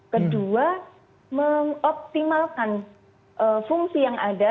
kedua mengoptimalkan fungsi yang ada